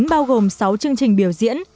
bao gồm sáu chương trình biểu diễn